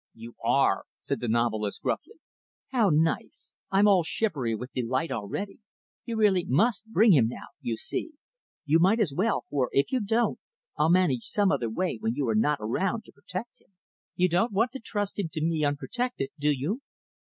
"You are," said the novelist, gruffly. "How nice. I'm all shivery with delight, already. You really must bring him now, you see. You might as well, for, if you don't, I'll manage some other way when you are not around to protect him. You don't want to trust him to me unprotected, do you?"